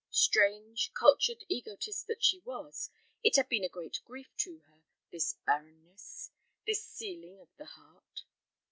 Strange, cultured egotist that she was, it had been a great grief to her, this barrenness, this sealing of the heart.